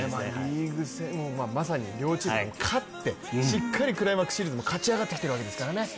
リーグ戦、まさに両チーム勝ってしっかりクライマックスシリーズも勝ち上がってきているわけですからね。